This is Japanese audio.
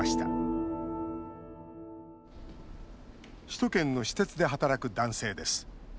首都圏の私鉄で働く男性です。